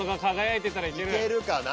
いけるかな？